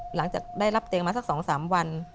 หลังจากได้รับเตียงมาสัก๒๓วัน